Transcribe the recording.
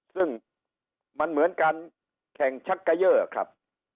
ซึ่งมันเหมือนการแข่งชักเกยอร์ครับ